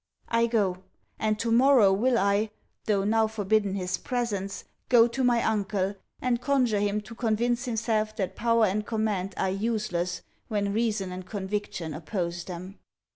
I go; and to morrow will I, though now forbidden his presence, go to my uncle, and conjure him to convince himself that power and command are useless, when reason and conviction oppose them.